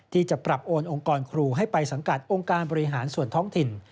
ที่จะปรับโอนองค์กรครูให้ไปสังกัดองค์การบริหารส่วนท้องถิ่น